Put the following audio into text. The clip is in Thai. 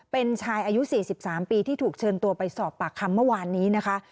เป็นชายอายุ๔๓ปีที่ถูกเชิญตัวไปสอบปากคำเมื่อวานนี้นะคะ